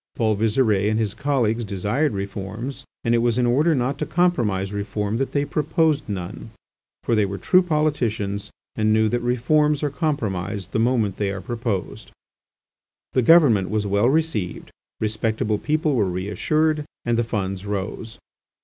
Paul Visire and his colleagues desired reforms, and it was in order not to compromise reform that they proposed none; for they were true politicians and knew that reforms are compromised the moment they are proposed. The government was well received, respectable people were reassured, and the funds rose.